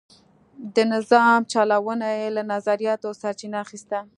د نظام چلونه یې له نظریاتو سرچینه اخیسته.